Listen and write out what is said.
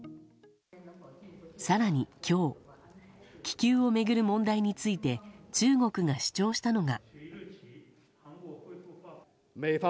更に、今日気球を巡る問題について中国が主張したのが。